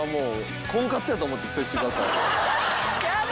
やだ。